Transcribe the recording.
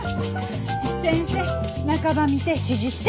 先生中ば見て指示して。